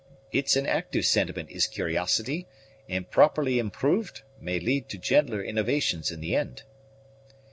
It's an active sentiment is curiosity, and properly improved may lead to gentler innovations in the end."